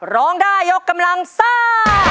ร้องได้ยกกำลังซ่า